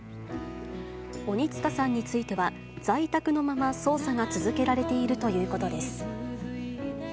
鬼束さんについては、在宅のまま、捜査が続けられているということです。